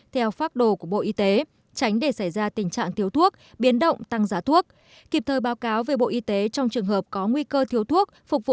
theo pháp đồ của bộ y tế tránh để xảy ra tình trạng thiếu thuốc biến động tăng giá thuốc